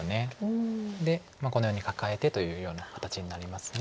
でこのようにカカえてというような形になります。